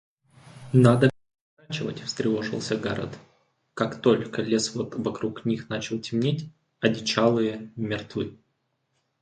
– Надо бы поворачивать, – встревожился Гаред, как только лес вокруг них начал темнеть. – Одичалые мертвы.